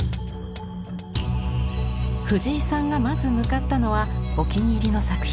藤井さんがまず向かったのはお気に入りの作品。